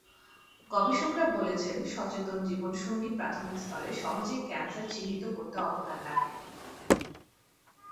গবেষকেরা বলছেন, সচেতন জীবনসঙ্গী প্রাথমিক স্তরে সহজেই ক্যানসার চিহ্নিত করতে অবদান রাখেন।